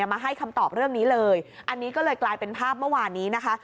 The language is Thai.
มาให้คำตอบเรื่องนี้เลยอันนี้ก็เลยกลายเป็นภาพเมื่อวานนี้นะคะ